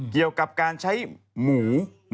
เกี่ยวกับการใช้หมู